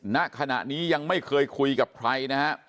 ณขณะนี้ยังไม่เคยคุยกับใครนะฮะ